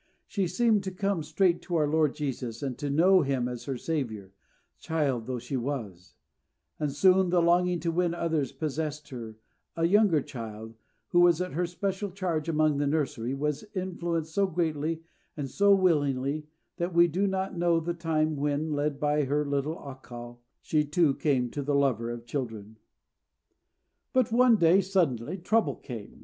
She seemed to come straight to our Lord Jesus and know Him as her Saviour, child though she was; and soon the longing to win others possessed her, and a younger child, who was her special charge among the nursery children, was influenced so gently and so willingly, that we do not know the time when, led by her little Accal, she too came to the Lover of children. But one day, suddenly, trouble came.